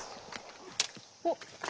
おっ。